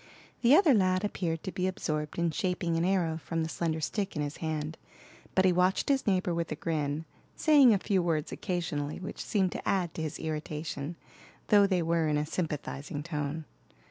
The other lad appeared to be absorbed in shaping an arrow from the slender stick in his hand, but he watched his neighbor with a grin, saying a few words occasionally which seemed to add to his irritation, though they were in a sympathizing tone.